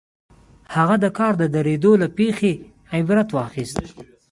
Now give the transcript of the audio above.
هغه د کار د درېدو له پېښې عبرت واخيست.